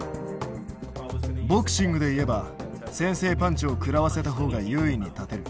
ボクシングで言えば先制パンチを食らわせた方が優位に立てる。